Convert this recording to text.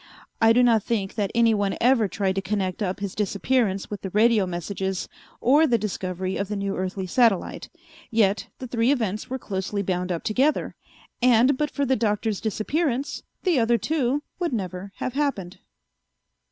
I do not think that anyone ever tried to connect up his disappearance with the radio messages or the discovery of the new earthly satellite; yet the three events were closely bound up together, and but for the Doctor's disappearance, the other two would never have happened.